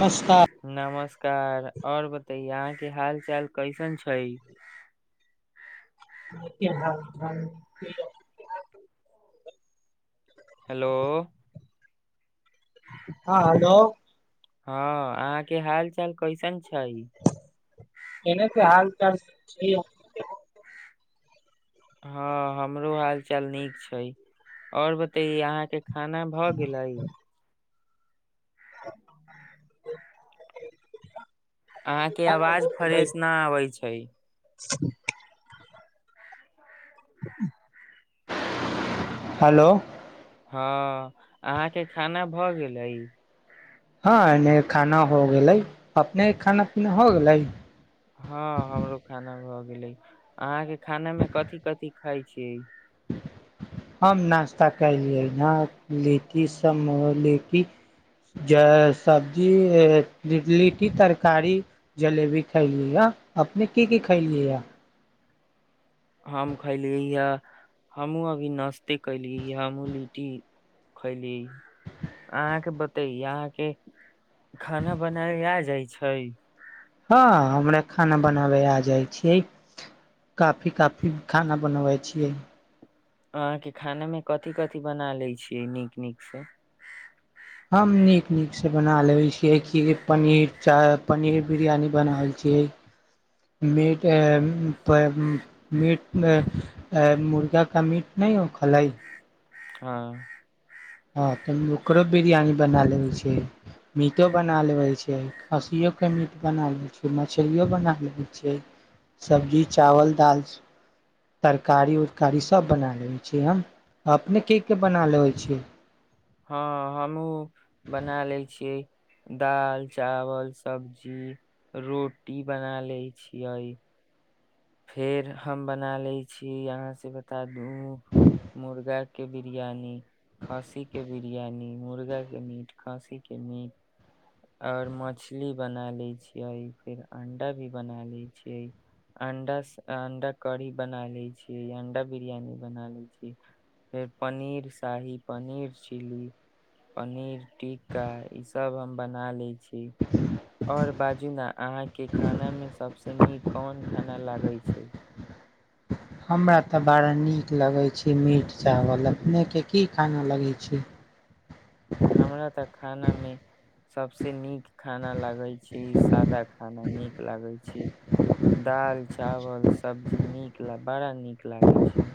नमस्कार नमस्कार आऔर बताय आज हाल चाल कैसन छै भ भ हेलो हँ हेलो हँ अहाँके हाल चाल कैसन छै केना कि हाल बस हँ हमरो हाल चाल नीक छै आओर बतै अहाँके खाना भऽ गेलै [inaudible] अहाँके खाना हो आवाज गेलै? फ्रेश न आबै छै हेलो हँ अहाँके खाना भऽ गेलै हँ एने खाना हो गेलै अपने खाना पीना हो गेलै हँ हमरो खाना भ गेल गेल अहाँ के खाना मे कथि कथि खाय छीय हम नाश्ता खयलियै ने लिट्टी समो लिटटी ज सब्जी लिट्टी तरकारी जलेबी खयलियै ह अपने की की खयलियै हा हम खैलिय य हमहूँ अभी नाश्ते कयलिय य हमहूँ लिट्टी खैलिय अहाँके बते अहाँके खाना बनायल आ जाइ छै हँ हमरा खाना बनाबै आ जाइ छियै काफी काफी खाना बनबै छियै अहाँके खानामे कथि कथि बना लैत छियै नीक नीकसँ हम नीक नीकसँ बना लेै छियै क पनीर च पनीर बिरयानी बना रहल छियै मट म मुर्गा का मीट नहि हो खलै हँ हँ तऽ ओकरो बिरयानी बना लेबै छिय मीटो बना लेबै छै खस्सियओके मीट बना लेैत छैिय मछलियो बना लेबैत छियै सब्जी चावल दालि तरकारी उरकारी सभ बना लेबैत छियै हम अपने के के बना लेबै छियै हँ हमहु बना लै छियै दाल चावल सब्जी रोटी बना लए छियै फेर हम बना लैत छीय यहाँसँ बता दू मुर्गाके बिरियानी खस्सीके बिरियानी मुर्गाके मीट खस्सीके मीट आओर मछली बना लैत छियै फेर अण्डा भी बना लैत छियै अंडा अंडा कढ़ी बना लै छीै अण्डा बिरयानी बना लै छी फेर पनीर शाही पनीर चिली पनीर टिका ई सब हम बना लै छी आओर बाजू ने अहाँके खानामे सबसँ नीक कोन खाना लागै छै हमरा तऽ बड़ा नीक लगै छै मीट चावल अपनेके की खाना लगैत छै हम हमरा तक खानामे सभसँ नीक खाना लागैत छै सादा खाना नीक लागैत छै दालि चावल सब्जी नीक बड़ा नीक लागैत छै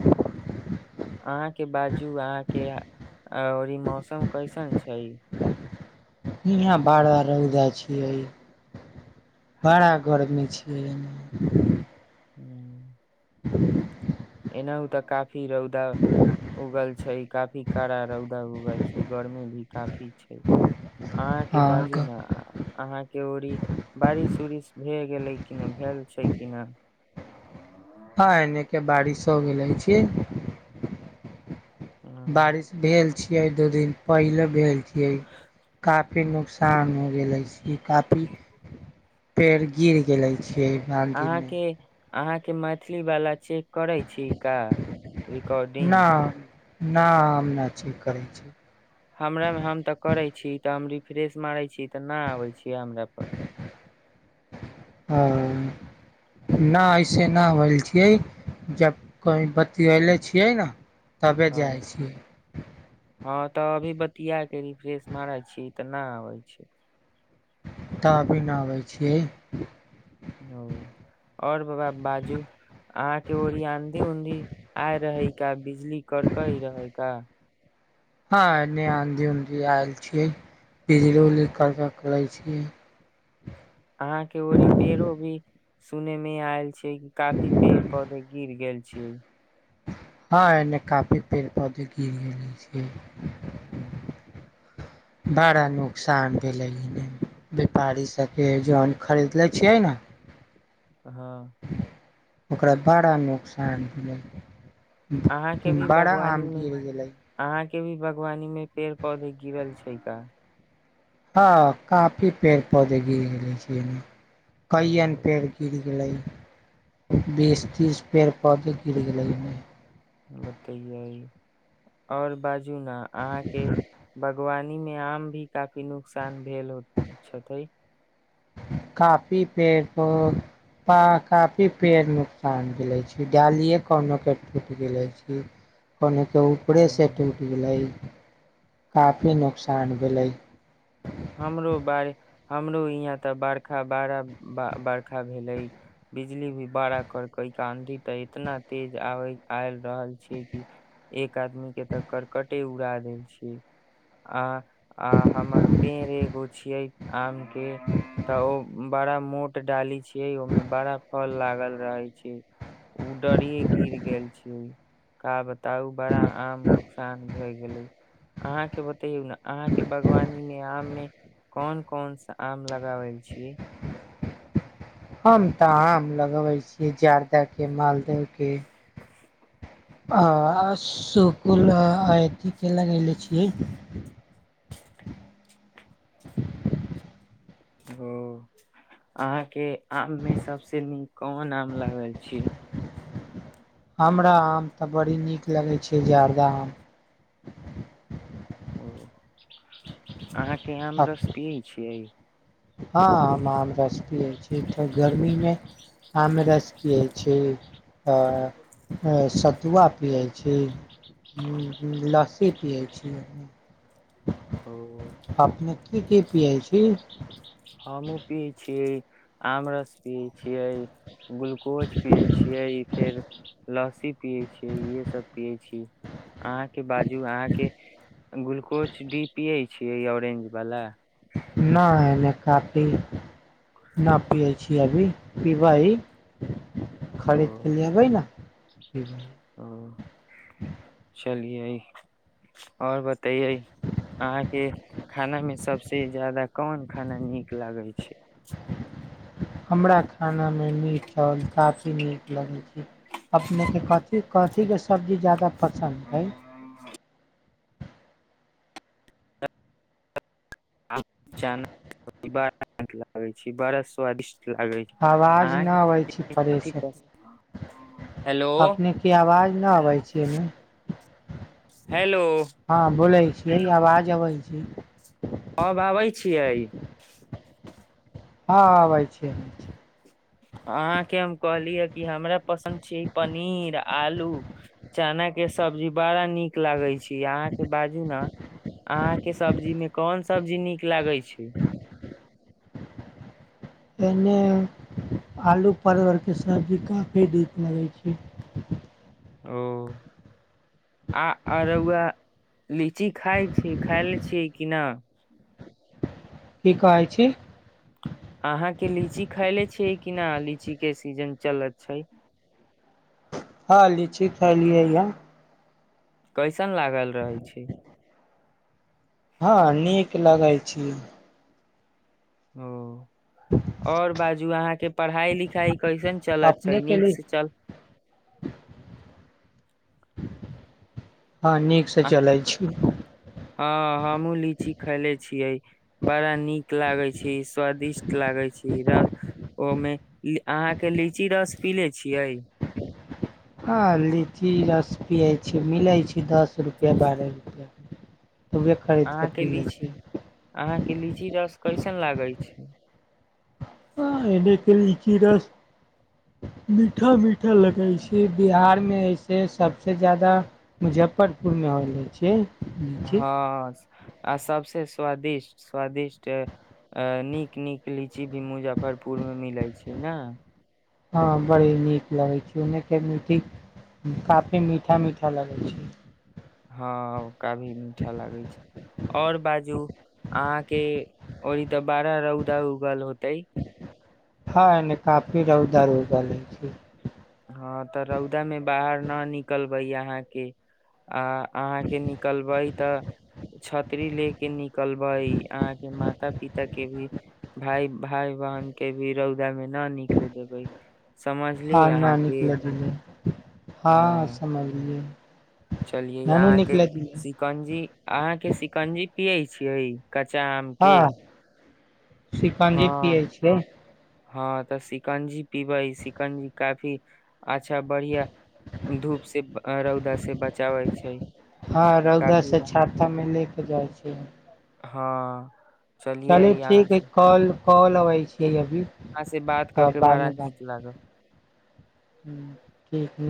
अहाँके बाजू अहाँके ओ ई मौसम कैसन छै यहाँ बाड़ा रौदा छियै बड़ा गरमी छियै हू [unintelligible] एनाहहु तऽ काफी रौदा उगल छै काफी कड़ा रौदा उगल छै गर्मी भी काफी छै अहाँके बाजू हँ ने अहाँके ओरी बारिश उरिश भए गेलै किना भेल छै किना हँ एने के बारिश हो गेलै छी बारिश भेल छीिये दू दिन पहिले भेल छीिये काफी नुकसान हो गेले छी काफी पेड़ गिर गेले छै श नदीमे अहाँके मैथिलीवलाा छियै करै छी का रिकॉर्डिंग न न हम नहि छी करै छी हमरामे हम तऽ करै छी तऽ हम रिफ्रेश मारै छी तऽ नहि आबै छीियै हमरा पर ओ नहि ऐसे नहि होल छियै जब कही बतले छियै ने तबे हँ जाइ छियै हँ तऽ अभी बतिया के रिफ्रेश मारै छी तऽ नहि आबै छै तबी न आबै छियै ओ आओर बाबा बाजू अहाँके ओरी आँधी उधी आ रहै का बिजली कड़कई रहै का हँ एने आँधी उऊधी आयल छियै बिजल उली कर करै छियै अहाँके ओ री पेड़ो भी सुने मे आयल छी काती पेर पदे गिर गेल छियै हँ एने काफी पेड़ पौधे घिर छै ह बड़ा नुकसान भेलै व्यापारी सभके जन खरीद लै छियै ने हँ ओकरा बड़ा नुोकसान अहाँ के भेलै भी बड़ा बागवानी आम मे की हो गेलै अहाँ के भी बागवानी मे पेड़ पौधे गिरल छै का हँ काफी पेड़ पौधे घि गेले छियमे ओ कन पेड़ गीर गेलै बस तीस पेर पाद गिड़ गेलमे बतैए आओर बात आहा के बर बागवानी मे आम भी काफी नुकसान भेल छैे काफी पेड़ काफी पेड़ नुकसान के छै डालिे कोनो के टूट गेले छी कनेके ऊपरेसँ हम्म, टूटि गेलै काफी नुोकसान भेलै हमरो बारे हमरो यहाँ तऽ बर्षा बड़ा बर्खा भेलै बिजली भी बड़ा करक आँधी तऽ इतना तेज आब आय रहल छै कि एक आदमी के तऽ करर्कटे उड़ा देल छै आ आ हमर पेड़ एगो छीये आम के तऽ ओ बड़ा मोट डाली छी में बड़ा फल लाग रह छै उ डरे गिर गेल छी का बताउ बड़ा आम नुकसान भय गेले अहा के तह बवानी आम मे कोन कोन सा आम लगाबल छी हम तऽ आम लगबै छी जार्दााके मालदहके आ सुल अथे लगले छियै ओ अहाँके आम मे सबसे नीक कोन आम लागल छी हमरा आम तऽ बड़ी नीक लगै छै जादा आम ओ अहाँके आम रस पियै छियै हँ आमरस पीइ छै त गर्मीमे आमरस पी होइ छै आ सतू अपी जाइ छै छ ह लसित पियै छी त क्रिकेट पिइ छी हमू पियै छियै आम रस पियै छियै ग्लुकोज पियै छियै ई फेर लस्सी पियै छियै इहेसभ पियै छी अहाँके बाजू अहाँके ग्लुकोज डी पियै छियै ऑरेंज वला न है ने काफी न पियै छीिय अभी पीबै ह ओ खरीदके लि अबै ने ठ ओ चलियै आओर बतैयै अहाँके खानामे सभसँ जादा कोन खाना नीक लागै छै हमरााक खानामे मीठ चाउल काफी नीक लगै छै अपने के कथि कथिी के सब्जी जा पररसै च बा लागै छै बड़ा स्वादिष्ट लागे छै आवाज अहाँके नहि अबै छी पै कथि पसन्द हेलो अपनेके आवाज नहि अबै छी एहिमे हेलो से आवाज अबै छी अब आबै छियै हँब छै अहाँ के हम कहलिय ह कि हमरा पसन्द छी पनीर आलू चना के सब्जी बड़ा नीक लागे छै बाज ने अह सब्जी मेन सब्जी नीक लागे छै छै एहिमे आलू परवरके सबजी काफी नीक लगै छै ओ आ अरुआ लीची खााय छै खााय ले छियै कि नहि की कहै छै अहाँके लीची खायले छीिय किना लीची के सीजन चलत छै हँ लीची खलियै या कैसन लागल रहै छै हँ नीक लगाए छी ओ आओर बाजू अहाँके पढ़ाई लिखाई कैसन चलत छै अपने के नीक लि से चल ह हँ नीकसँ आ- चलै छी हँ हँ एो लीची खायले छीियै बड़ा नीक लागै छै स्वादिष्ट लागै छी रस ओहिमे अहाँके लीची रस पी ले छियै हँ लीची रस पियै छीियै मिलै छै दस रुपैआ बारह रुपैआ अहाँके लीची अहाँके लीची रस कैसे कन लागल छै ने लीची रस मीठा मीठा लगै छै बिहार मे ऐसे सबसे जादा मुजफ्फरपुर मे होे छै लीची हँ आ सबसे स्वादिष्ट स्वादिष्ट नीक नीक लीची भी मुजफ्फरपुर मे मिलै छै ने हँ बड़ी नीक लगैत छै ओन्नेके मिठी काफी मीठा मीठा लगै छै हँ का भी मीठा लागै छै आओर बाजू अहाँके और ई तऽ बारह रौदा उगल होतेै हँ काफी रौदार हो गेल लै हँ तऽ रौदा मे बाहर न निकलबै अहाँके आ आहा के निकलबे त छतरी ले के निकलब बइ अहाँके माता पिता के भी भाय भाय बहिन के भी रौदा मे ना निकले देबै समझलिय अहाँके ह हँ समझलियै चलिय नानू अहाँ के निकले दिले शिकंजी अहाँ के शिकंजी पियै छै छियइ कच्चामके पानी पियै छियै हँ तऽ शिकंजी पीबै सिकंजी काफी अच्छा बढ़िआँ धूप से रौदा से बचाबै छै हँ रौदा काफी से छाता मे ले जाइ छै हँ चलियै चली ठीक है कॉल कॉल अबैत छियैब अह से बात कऽ के बड़ा नीक लागल ह ठ ह